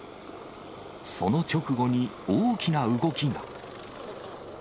その直後に大きな動きが。